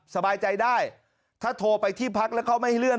สบายใจได้ถ้าโทรไปที่พักแล้วเขาไม่ให้เลื่อน